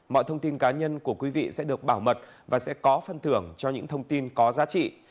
mọi thông tin cá nhân của quý vị sẽ được bảo mật và sẽ có phân thưởng cho những thông tin có giá trị